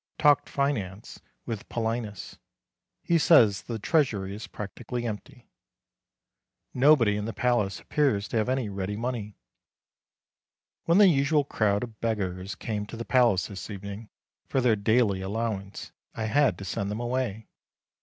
Talked finance with Paulinus. He says that the Treasury is practically empty. Nobody in the palace appears to have any ready money. When the usual crowd of beggars came to the palace this evening for their daily allowance I had to send them away.